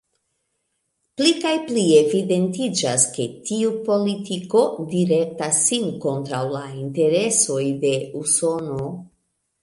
Pli kaj pli evidentiĝas, ke tiu politiko direktas sin kontraŭ la interesoj de Usono.